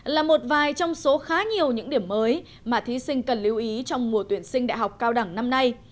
là một vài trong số khá nhiều những điểm mới mà thí sinh cần lưu ý trong mùa tuyển sinh đại học cao đẳng năm nay